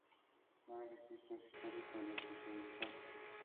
No hay registros históricos de sus erupciones.